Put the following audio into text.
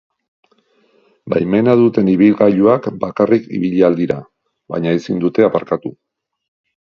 Baimena duten ibilgailuak bakarrik ibili ahal dira, baina ezin dute aparkatu.